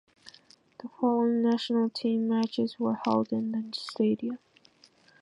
The following national team matches were held in the stadium.